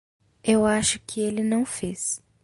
Eu acho que ele não fez.